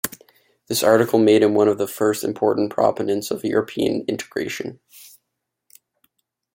This article made him one of the first important proponents of European integration.